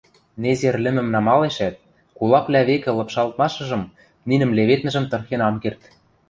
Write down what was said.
Незер лӹмӹм намалешӓт, кулаквлӓ векӹ лыпшалтмашыжым, нинӹм леведмыжым тырхен ам керд.